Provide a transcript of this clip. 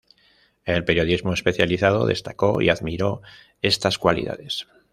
El periodismo especializado destacó y admiró estas cualidades.